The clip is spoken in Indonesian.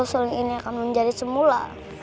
suruh ini akan menjadi semula